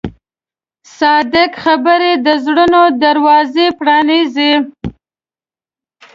صادق خبرې د زړونو دروازې پرانیزي.